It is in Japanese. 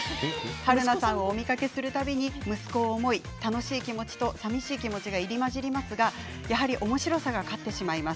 春菜さんをお見かけする度に息子を思い楽しい気持ちと寂しい気持ちが入り混じりますがやはりおもしろさが勝ってしまいます。